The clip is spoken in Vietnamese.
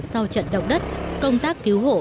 sau trận động đất công tác cứu hộ